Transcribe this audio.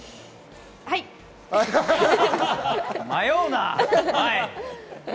迷うな！